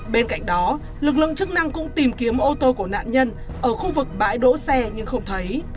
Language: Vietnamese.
bên cạnh đó lực lượng chức năng cũng tìm kiếm ô tô của nạn nhân ở khu vực bãi đỗ xe nhưng không thấy